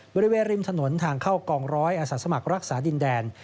บริเวณริมถนนทางเข้ากองร้อยอาสาสมัครรักษาดินแดน